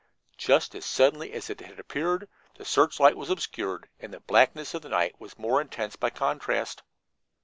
Just as suddenly as it had appeared, the searchlight was obscured, and the blackness of the night was more intense by contrast.